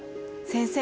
先生。